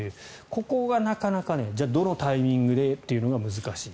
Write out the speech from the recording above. ここがなかなか、じゃあどのタイミングでというのが難しい。